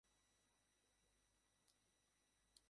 তিনি তার কাছ থেকে ইংরেজি এবং শিল্প সম্পর্কে শিখেছিলেন।